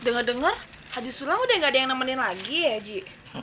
dengar dengar haji sulam udah gak ada yang nemenin lagi ya haji